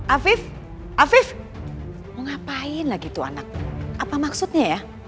afif afif mau ngapain lagi tuh anak apa maksudnya ya